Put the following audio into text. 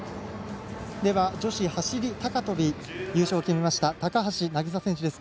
女子走り高跳び優勝を決めました高橋渚選手です。